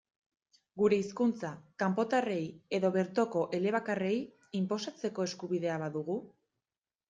Gure hizkuntza, kanpotarrei edo bertoko elebakarrei, inposatzeko eskubidea badugu?